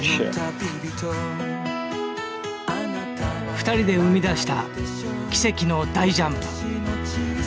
２人で生み出した奇跡の大ジャンプ。